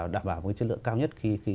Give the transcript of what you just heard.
đảm bảo một cái chất lượng cao nhất khi